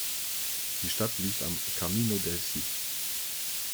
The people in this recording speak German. Die Stadt liegt am "Camino del Cid".